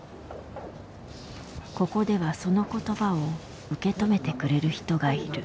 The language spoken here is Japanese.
ここではその言葉を受け止めてくれる人がいる。